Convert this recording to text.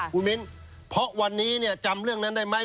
คุณมิ้นเพราะวันนี้เนี่ยจำเรื่องนั้นได้ไหม